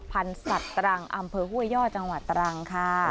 พันธุ์สัตว์ตรังอำเภอห้วยย่อจังหวัดตรังค่ะ